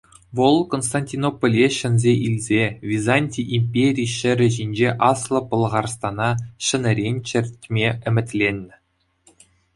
Вӑл, Константинополе ҫӗнсе илсе, Византи импери ҫӗрӗ ҫинче Аслӑ Пӑлхарстана ҫӗнӗрен чӗртме ӗмӗтленнӗ.